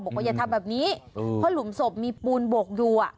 บอกว่าอย่าทำแบบนี้เพราะหลุมศพมีปูนบกดู